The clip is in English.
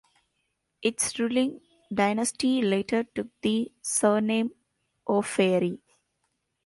Its ruling dynasty later took the surname O'Feary.